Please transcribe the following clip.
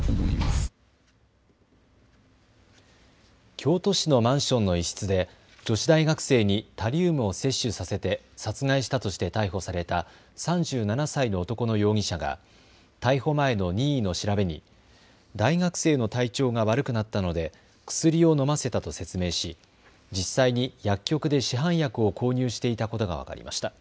京都市のマンションの一室で女子大学生にタリウムを摂取させて殺害したとして逮捕された３７歳の男の容疑者が逮捕前の任意の調べに大学生の体調が悪くなったので薬を飲ませたと説明し実際に薬局で市販薬を購入していたことが分かりました。